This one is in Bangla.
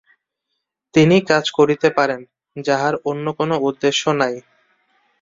তিনিই কাজ করিতে পারেন, যাঁহার অন্য কোন উদ্দেশ্য নাই।